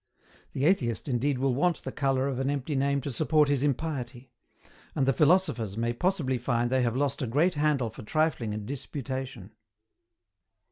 The Atheist indeed will want the colour of an empty name to support his impiety; and the Philosophers may possibly find they have lost a great handle for trifling and disputation.